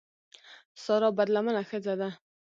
سارا بدلمنه ښځه ده.